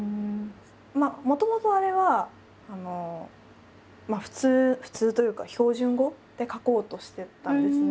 もともとあれは普通普通というか標準語で書こうとしてたんですね。